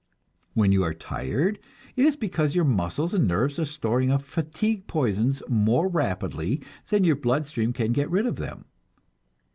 When you are tired, it is because your muscles and nerves are storing up fatigue poisons more rapidly than your blood stream can get rid of them.